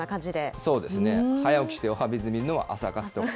そうですね。早く起きておはＢｉｚ見るのは朝活とかね。